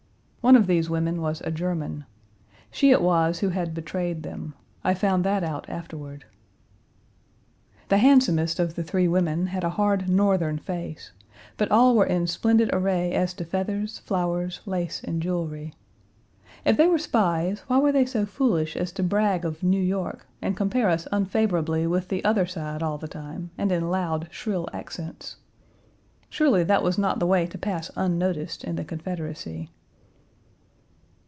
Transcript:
One of these women was a German. She it was who had betrayed them. I found that out afterward. The handsomest of the three women had a hard, Northern face, but all were in splendid array as to feathers, flowers, lace, and jewelry. If they were spies why were they so foolish as to brag of New York, and compare us unfavorably with the other side all the time, and in loud, shrill accents? Surely that was not the way to pass unnoticed in the Confederacy.